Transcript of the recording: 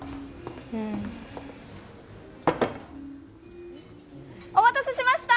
うんお待たせしました！